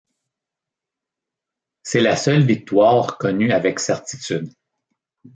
C'est la seule victoire connue avec certitude.